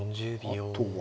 あとは。